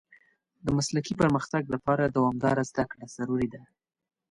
د مسلکي پرمختګ لپاره دوامداره زده کړه ضروري ده.